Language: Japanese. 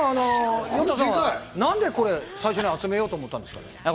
なんで最初に集めようと思ったんですか？